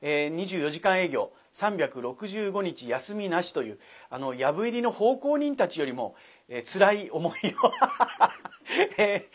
２４時間営業３６５日休みなしという「藪入り」の奉公人たちよりもつらい思いをハハハハッ！